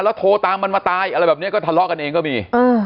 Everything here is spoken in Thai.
โทรตามมันมาตายอะไรแบบนี้ก็ทะเลาะกันเองก็มี